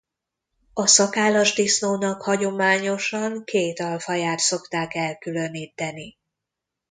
A szakállas disznónak hagyományosan két alfaját szokták elkülöníteni.